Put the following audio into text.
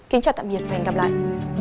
xin chào tạm biệt và hẹn gặp lại